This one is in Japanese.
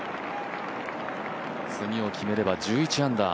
次を決めれば１１アンダー。